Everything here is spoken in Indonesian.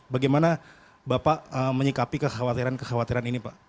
bagaimana bapak menyikapi kekhawatiran kekhawatiran ini pak